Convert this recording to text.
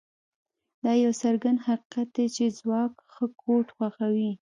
دا یو څرګند حقیقت دی چې ځواک ښه کوډ خوښوي